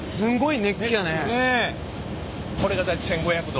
これが大体１，５００℃。